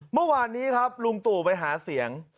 เมื่อวานนี้ครับลุงตู่ไปหาเสียง